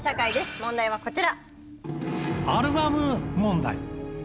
問題はこちら。